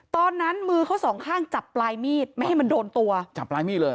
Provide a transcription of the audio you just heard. ตอนนั้นมือเขาสองข้างจับปลายมีดไม่ให้มันโดนตัวจับปลายมีดเลยเห